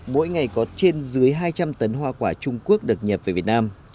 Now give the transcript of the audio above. mỗi ngày có trên dưới hai trăm linh tấn hoa quả trung quốc được nhập về việt nam